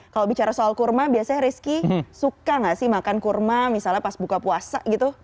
kalau bicara soal kurma biasanya rizky suka gak sih makan kurma misalnya pas buka puasa gitu